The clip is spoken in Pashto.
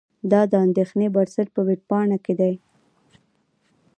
دا د اندېښې بنسټ په وېبپاڼه کې دي.